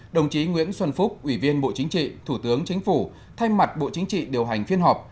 đồng chí nguyễn xuân phúc ủy viên bộ chính trị thủ tướng chính phủ thay mặt bộ chính trị điều hành phiên họp